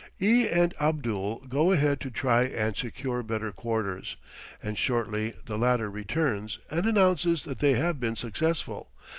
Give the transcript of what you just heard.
E and Abdul go ahead to try and secure better quarters, and shortly the latter returns, and announces that they have been successful.